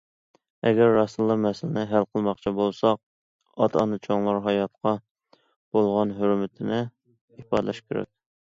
ئەگەر راستتىنلا مەسىلىنى ھەل قىلماقچى بولساق، ئاتا- ئانا، چوڭلار ھاياتقا بولغان ھۆرمىتىنى ئىپادىلىشى كېرەك.